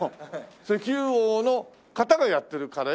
石油王の方がやってるカレー？